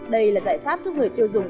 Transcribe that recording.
đây là giải pháp giúp người tiêu dùng